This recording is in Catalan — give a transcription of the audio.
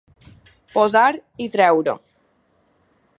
Posar i treure.